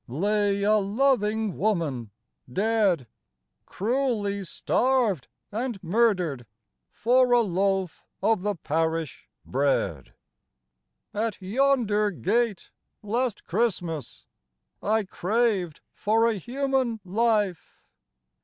Lay a loving woman dead. Cruelly starved and murdered For a loaf of the parish bread. IN THE WORKHOUSE. IS At yonder gate, last Christmas, I craved for a human life.